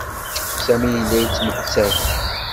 Sami yella yettmettat.